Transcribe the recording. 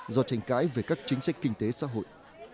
do tranh cãi về các chính sách kinh tế xã hội